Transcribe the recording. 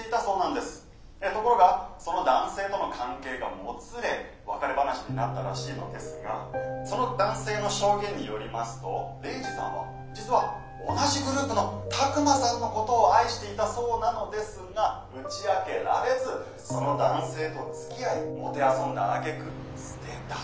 ところがその男性との関係がもつれ別れ話になったらしいのですがその男性の証言によりますとレイジさんは実は同じグループの拓真さんのことを愛していたそうなのですが打ち明けられずその男性とつきあいもてあそんだあげく捨てた。